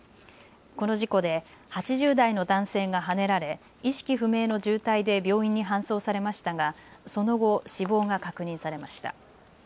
この事故で８０代の男性がはねられ意識不明の重体で病院に搬送されましたがその後、死亡が確認されました。